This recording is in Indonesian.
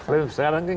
film sekarang itu